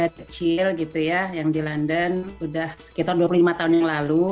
kecil gitu ya yang di london sudah sekitar dua puluh lima tahun yang lalu